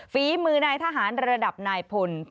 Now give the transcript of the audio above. ฝีมือนายทหารระดับนายพล